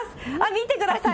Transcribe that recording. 見てください。